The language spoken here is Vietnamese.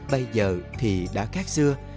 bây giờ thì đã khác xưa